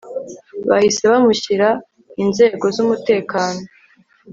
bahise bamushyira inzego zumuteakano